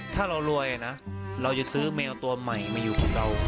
ถ้าเรารวยนะเราจะซื้อแมวตัวใหม่มาอยู่กับเรา